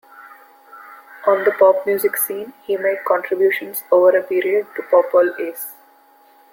On the pop music scene he made contributions over a period to Popol Ace.